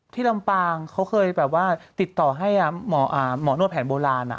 ลำปางเขาเคยแบบว่าติดต่อให้หมอนวดแผนโบราณ